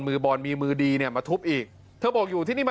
มือบอลมีมือดีเนี่ยมาทุบอีกเธอบอกอยู่ที่นี่มา